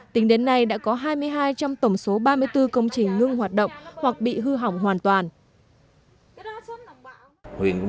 tính đến nay đã có hai mươi hai trong tổng số ba mươi bốn công trình ngưng hoạt động hoặc bị hư hỏng hoàn toàn